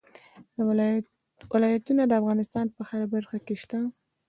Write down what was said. ولایتونه د افغانستان په هره برخه کې شته.